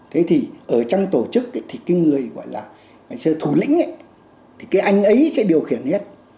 thế thì ở trong tổ chức thì cái người gọi là ngày xưa thủ lĩnh ấy thì cái anh ấy sẽ điều khiển hết